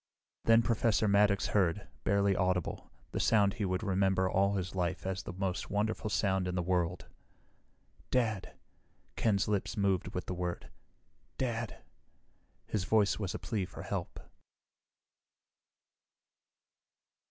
Then Professor Maddox heard, barely audible, the sound he would remember all his life as the most wonderful sound in the world. "Dad...." Ken's lips moved with the word. "Dad...." His voice was a plea for help.